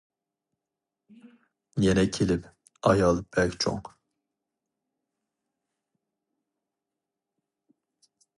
يەنە كېلىپ ئايال بەك چوڭ.